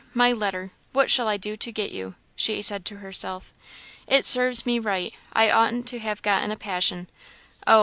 my letter! what shall I do to get you?" she said to herself. "It serves me right; I oughtn't to have got in a passion; oh!